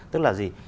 tức là gì